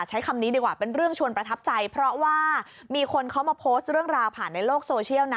ใช้คำนี้ดีกว่าเป็นเรื่องชวนประทับใจเพราะว่ามีคนเขามาโพสต์เรื่องราวผ่านในโลกโซเชียลนะ